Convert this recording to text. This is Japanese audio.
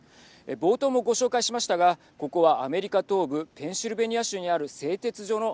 冒頭もご紹介しましたがここはアメリカ東部ペンシルベニア州にあるはい。